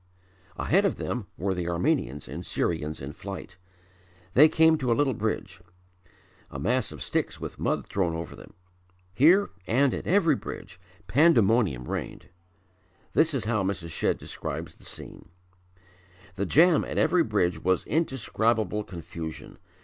Ahead of them were the Armenians and Syrians in flight. They came to a little bridge a mass of sticks with mud thrown over them. Here, and at every bridge, pandemonium reigned. This is how Mrs. Shedd describes the scene: "The jam at every bridge was indescribable confusion.